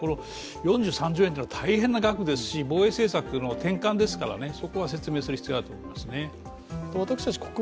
４３兆円っていうのは大変な額ですし防衛政策の転換ですのでそこは説明する必要があると思いますね。